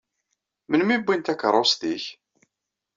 Melmi i wwin takeṛṛust-ik?